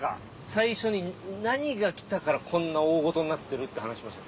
最初に何が来たからこんな大ごとになってるって話しました？